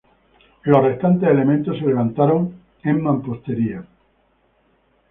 Los restantes elementos se levantaron en mampostería.